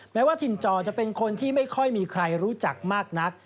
แม้ว่าถิ่นจอจะเป็นคนที่ไม่ค่อยมีใครรู้จักมากนัก